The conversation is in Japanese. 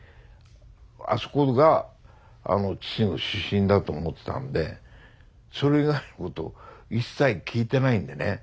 あそこが父の出身だと思ってたんでそれ以外のこと一切聞いてないんでね。